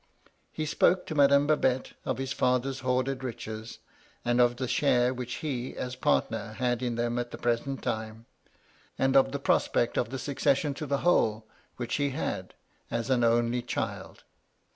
He spoke to Madame Babette of his father's hoarded riches ; and of the share which he, as partner, had in them at the present time ; and of the prospect of the succession to the whole, which he had, as an only child.